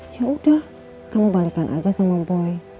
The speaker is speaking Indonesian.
ya udah kamu balikan aja sama boy